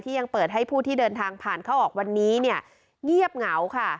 ยังเปิดให้ผู้ที่เดินทางผ่านเข้าออกวันนี้เนี่ยเงียบเหงาค่ะ